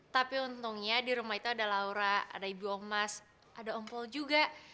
tapi untungnya di rumah itu ada laura ada ibu om mas ada om pol juga